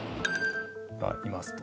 いますと。